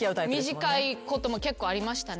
短いこともありましたね。